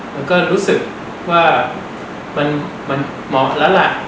มันก็รู้สึกว่ามันเหมาะแล้วล่ะ